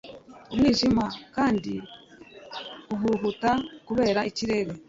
Umwijima kandi uhuhuta kubera ikirere